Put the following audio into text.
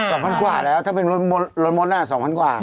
ใช่๒๐๐๐กว่าถ้าเป็นรถมดน่ะ๒๐๐๐กว่า